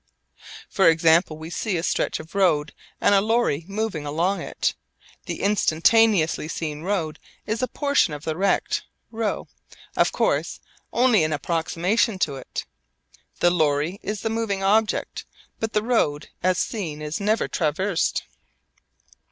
For example, we see a stretch of road and a lorry moving along it. The instantaneously seen road is a portion of the rect ρ of course only an approximation to it. The lorry is the moving object. But the road as seen is never traversed.